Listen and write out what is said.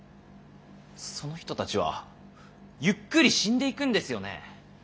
その人たちはゆっくり死んでいくんですよね。